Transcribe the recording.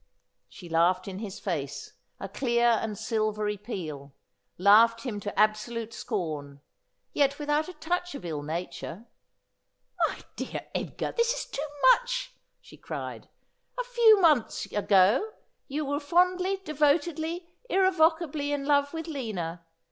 She laughed in his face, a clear and silvery peal — laughed him to absolute scorn ; yet without a touch of ill nature. ' My dear Edgar, this is too much,' she cried. ' A few months ago you were fondly, devotedly, irrevocably in love with Lina.